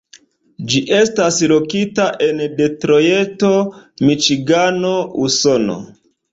Ĝi estas lokita en Detrojto, Miĉigano, Usono.